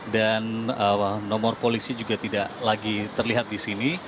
dan nomor polisi juga tidak lagi terlihat di sini